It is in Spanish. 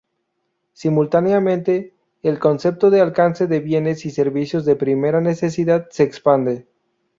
Simultáneamente, el concepto de alcance de bienes y servicios de primera necesidad se expande.